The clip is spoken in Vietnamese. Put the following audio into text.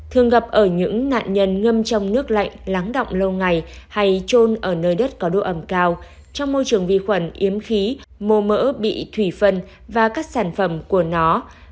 thường gặp ở những nạn nhân ngâm trong nước lạnh lắng động lâu ngày hay trôn ở nơi đất có độ ẩm cao trong môi trường vi khuẩn yếm khí mô mỡ bị thủy phân và các sản phẩm của nó